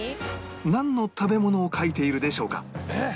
なんの食べ物を描いているでしょうか？